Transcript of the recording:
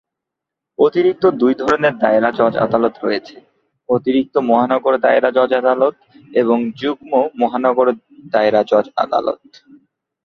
অতিরিক্ত দুই ধরণের দায়রা জজ আদালত রয়েছে, অতিরিক্ত মহানগর দায়রা জজ আদালত এবং যুগ্ম মহানগর দায়রা জজ আদালত।